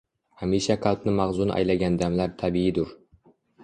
Hamisha qalbni mahzun aylagan damlar tabiiydur